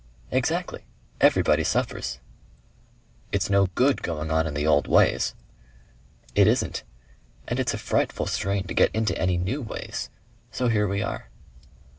"Exactly. Everybody suffers." "It's no GOOD going on in the old ways " "It isn't. And it's a frightful strain to get into any new ways. So here we are.